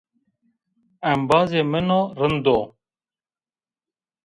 Embazê min o rind o